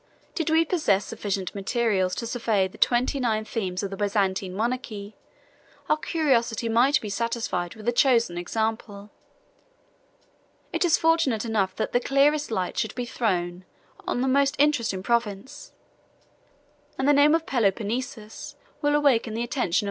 Did we possess sufficient materials to survey the twenty nine themes of the Byzantine monarchy, our curiosity might be satisfied with a chosen example: it is fortunate enough that the clearest light should be thrown on the most interesting province, and the name of Peloponnesus will awaken the attention of the classic reader.